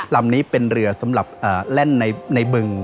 ลำนี้เป็นเรือสำหรับแล่นในบึง